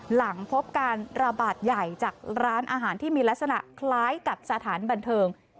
หลังพบการระบาดใหญ่จากร้านอาหารที่มีลักษณะคล้ายกับสถานบันเทิง